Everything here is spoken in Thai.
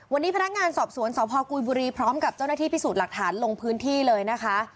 วันนี้พนักงานสอบสวนสพกุยบุรีพร้อมกับเจ้าหน้าที่พิสูจน์หลักฐานลงพื้นที่เลยนะคะ